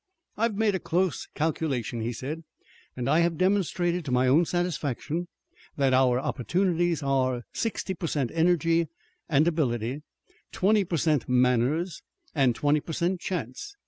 "I've made a close calculation," he said, "and I have demonstrated to my own satisfaction that our opportunities are sixty per cent energy and ability, twenty per cent manners, and twenty per cent chance.